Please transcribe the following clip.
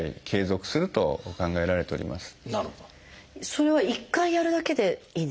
それは１回やるだけでいいんですか？